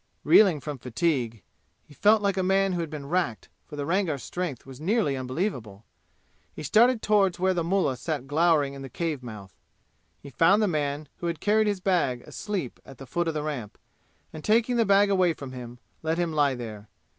Reeling from fatigue (he felt like a man who had been racked, for the Rangar's strength was nearly unbelievable), he started toward where the mullah sat glowering in the cave mouth. He found the man who had carried his bag asleep at the foot of the ramp, and taking the bag away from him, let him lie there.